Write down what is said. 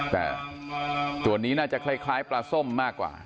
แต่ตัวนี้น่าจะคล้ายปลาส้มมากกว่า